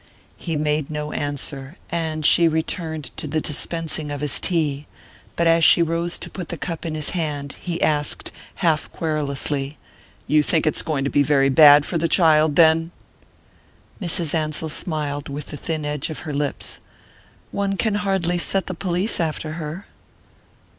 He made no answer, and she returned to the dispensing of his tea; but as she rose to put the cup in his hand he asked, half querulously: "You think it's going to be very bad for the child, then?" Mrs. Ansell smiled with the thin edge of her lips. "One can hardly set the police after her